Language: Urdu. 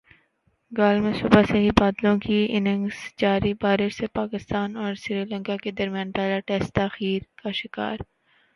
گال میں صبح سے ہی بادلوں کی اننگز جاری بارش سے پاکستان اور سری لنکا کے درمیان پہلا ٹیسٹ تاخیر کا شکار